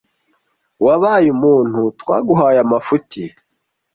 Wabaye umuntu. Twaguhaye amafuti